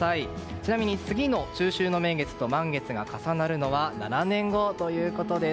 ちなみに、次に中秋の名月と満月が重なるのは７年後ということです。